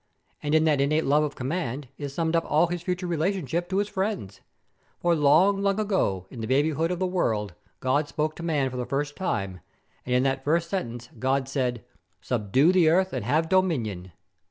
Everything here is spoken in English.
And in that innate love of Command is summed up all his future relationship to his friends. For long, long ago, in the babyhood of the world, God spoke to man for the first time. And in that very first sentence, God said, 'Subdue the earth and have dominion!'